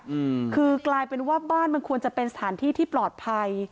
อืมคือกลายเป็นว่าบ้านมันควรจะเป็นสถานที่ที่ปลอดภัย